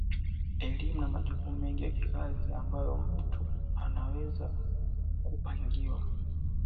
Elimu na majukumu mengine ya kikazi ambayo mtu anaweza kupangiwa